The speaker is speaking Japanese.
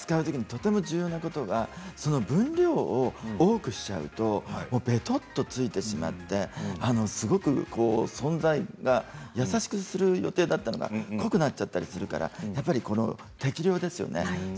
とても重要なことは分量を多くしちゃうとべとっとついてしまってすごく存在が、優しくする予定だったのに濃くなっちゃったりするから適量ですよね。